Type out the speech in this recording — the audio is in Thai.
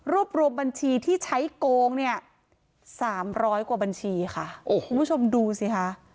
รวมรวมบัญชีที่ใช้โกงเนี่ยสามร้อยกว่าบัญชีค่ะโอ้โหคุณผู้ชมดูสิคะ